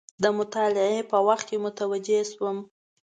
د مطالعې په وخت کې متوجه شوم.